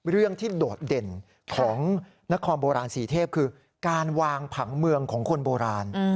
เรื่องที่โดดเด่นของนครโบราณสีเทพคือการวางผังเมืองของคนโบราณ